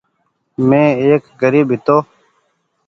مين ايڪ گريب هيتو ۔